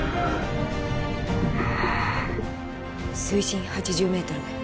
水深８０メートル